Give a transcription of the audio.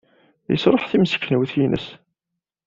Yesṛuḥ timseknewt-nnes.